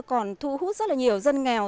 còn thu hút rất là nhiều dân nghèo